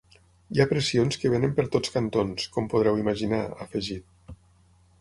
Hi ha pressions que venen per tots cantons, com podreu imaginar, ha afegit.